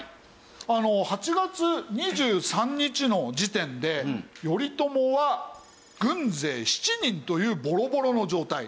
８月２３日の時点で頼朝は軍勢７人というボロボロの状態。